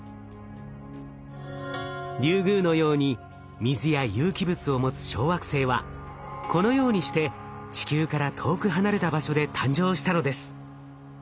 リュウグウのように水や有機物を持つ小惑星はこのようにして地球から遠く離れた場所で誕生したのです。